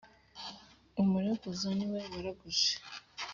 Umuraguza ni we waraguje